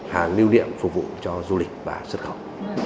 hàng lưu điện phục vụ cho du lịch và xuất khẩu